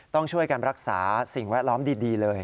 ต้องช่วยกันรักษาสิ่งแวดล้อมดีเลย